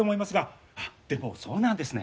でもそうなんですね。